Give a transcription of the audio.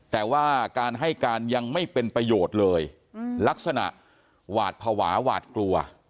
แต่ว่าการให้การยังไม่เป็นประโยชน์เลยลักษณะหวาดภาวะหวาดกลัว